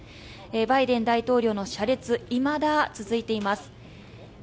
バイデン大統領の車列いまだ続いています。